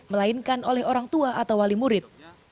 melainkan oleh orang tua atau wali murid